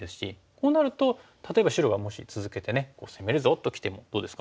こうなると例えば白がもし続けて「攻めるぞ」ときてもどうですか？